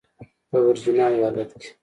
په ورجینیا ایالت کې